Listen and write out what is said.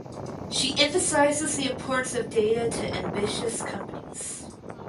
She emphasises the importance of data to ambitious companies.